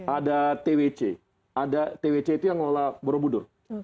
ada twc ada twc itu yang lolola borobudur